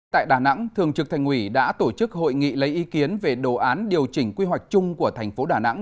tại đà nẵng thường trực thành ủy đã tổ chức hội nghị lấy ý kiến về đồ án điều chỉnh quy hoạch chung của thành phố đà nẵng